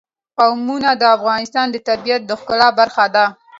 قومونه د افغانستان د طبیعت د ښکلا برخه ده.